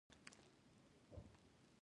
د سفر په دوران کې له خلکو سره وم.